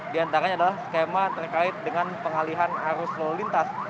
diantaranya adalah skema terkait dengan pengalihan arus lalu lintas